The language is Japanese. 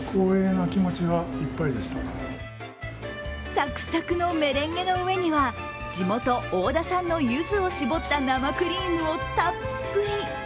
サクサクのメレンゲの上には地元・大田産のゆずを絞った生クリームをたっぷり。